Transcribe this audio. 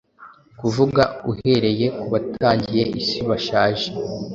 Kuvuga uhereye kubatangiye isi bashaje